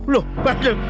loh gak mau